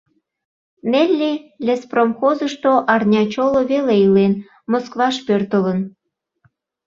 Нелли леспромхозышто арня чоло веле илен, Москваш пӧртылын.